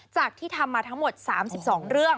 ที่ทำมาทั้งหมด๓๒เรื่อง